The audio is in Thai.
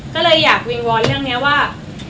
ก็เลยอยากวิงวอนเรื่องนี้ว่า